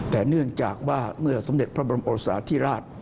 แต่เนื่องจากว่าเมื่อสมเด็จพระบรมโอสาธิราช